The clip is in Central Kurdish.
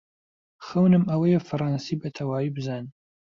خەونم ئەوەیە فەڕەنسی بەتەواوی بزانم.